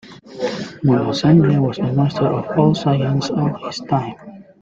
Mulla Sadra was a master of all science of his time.